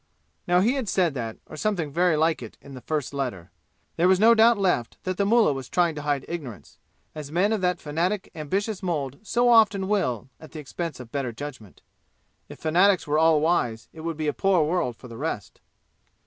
Now he had said that, or something very like it, in the first letter. There was no doubt left that the Mullah was trying to hide ignorance, as men of that fanatic ambitious mold so often will at the expense of better judgment. If fanatics were all wise, it would be a poor world for the rest.